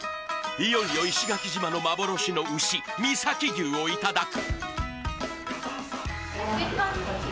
いよいよ石垣島の幻の牛美崎牛をいただく。